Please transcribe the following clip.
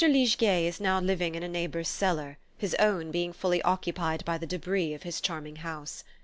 Liegeay is now living in a neighbour's cellar, his own being fully occupied by the debris of his charming house.